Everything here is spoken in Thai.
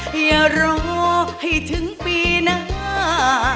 อย่ารอให้ถึงปีหน้า